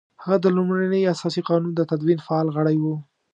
هغه د لومړني اساسي قانون د تدوین فعال غړی وو.